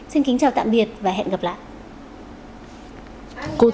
xin kính chào tạm biệt và hẹn gặp lại